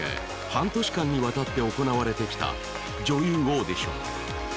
半年間にわたって行われてきた女優オーディション